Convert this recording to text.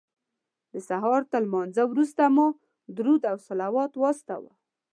د سهار تر لمانځه وروسته مو درود او صلوات واستاوه.